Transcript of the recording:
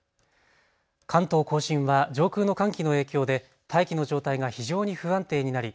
関東甲信は上空の寒気の影響で大気の状態が非常に不安定になり